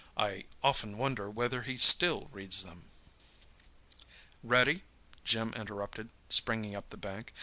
"I often wonder whether he still reads them." "Ready?" Jim interrupted, springing up the bank.